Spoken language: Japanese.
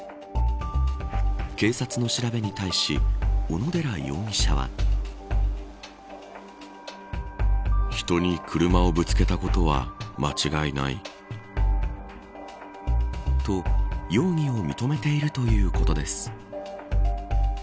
警察の調べに対し小野寺容疑者は。と容疑を認めているということです。